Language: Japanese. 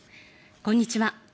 こんにちは。